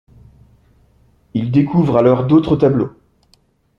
Ils découvrent alors d'autres tableaux.